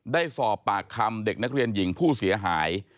ได้สอบปากคำเด็กนักเรียนหญิงผู้เสียหาย